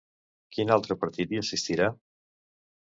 Quin altre partit hi assistirà?